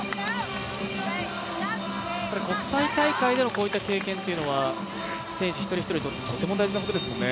国際大会でのこういった経験というのは選手一人一人にとってとても大事なことですもんね。